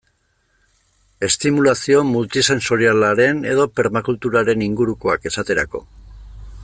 Estimulazio multisentsorialaren edo permakulturaren ingurukoak, esaterako.